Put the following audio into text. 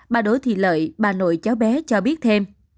bà đối thì lợi bà nội cháu bé cho biết thêm